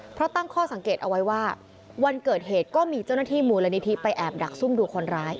เพราะตั้งข้อสังเกตเอาไว้ว่าวันเกิดเหตุก็มีเจ้าหน้าที่มูลนิธิไปแอบดักซุ่มดูคนร้าย